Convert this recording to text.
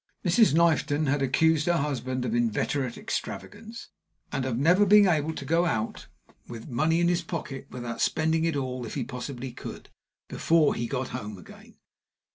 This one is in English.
Mrs. Knifton had accused her husband of inveterate extravagance, and of never being able to go out with money in his pocket without spending it all, if he possibly could, before he got home again.